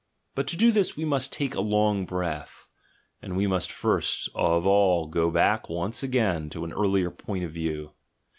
But to do this we must take a long breath, and we must first of all go back once again to an earlier point of view.